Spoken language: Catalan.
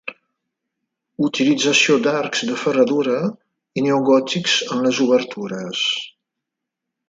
Utilització d'arcs de ferradura i neogòtics en les obertures.